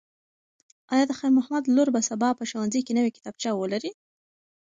ایا د خیر محمد لور به سبا په ښوونځي کې نوې کتابچه ولري؟